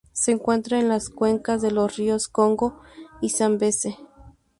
Se encuentran en las cuencas de los ríos Congo y Zambeze.